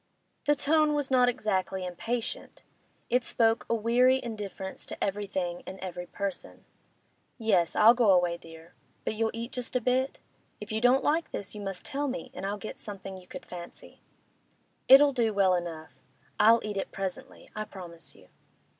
The tone was not exactly impatient; it spoke a weary indifference to everything and every person. 'Yes, I'll go away, dear. But you'll eat just a bit? If you don't like this, you must tell me, and I'll get something you could fancy.' 'It'll do well enough. I'll eat it presently; I promise you.